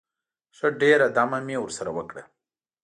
ښه ډېره دمه مې ورسره وکړه.